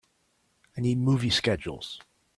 I need movie schedules